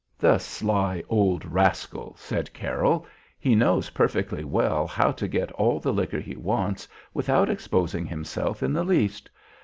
"The sly old rascal!" said Carroll. "He knows perfectly well how to get all the liquor he wants without exposing himself in the least.